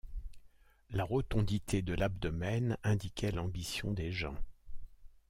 La rotondité de l’abdomen indiquait l’ambition des gens.